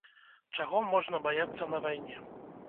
Чаго можна баяцца на вайне?